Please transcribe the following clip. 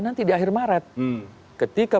nanti di akhir maret ketika